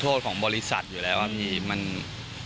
มันต้องการมาหาเรื่องมันจะมาแทงนะ